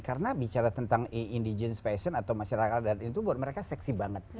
karena bicara tentang indigen fashion atau masyarakat dan itu buat mereka seksi banget